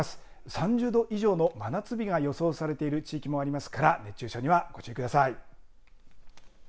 ３０度以上の真夏日が予想されている地域もありますから熱中症にはご注意ください。